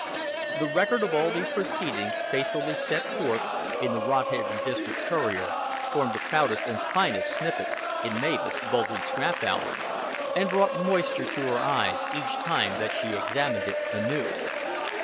The record of all these proceedings, faithfully set forth in the Rodhaven District Courier, formed the proudest and finest snippet in Mavis' bulging scrap album; and brought moisture to her eyes each time that she examined it anew.